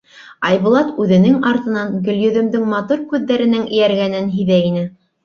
Айбулат үҙенең артынан Гөлйөҙөмдөң матур күҙҙәренең эйәргәнен һиҙә ине.